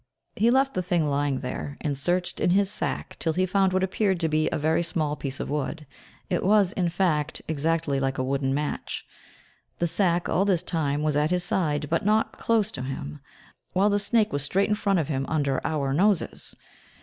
He left the thing lying there, and searched in his sack till he found what appeared to be a very small piece of wood, it was, in fact, exactly like a wooden match. The sack, all this time, was at his side, but not close to him, while the snake was straight in front of him, under our noses.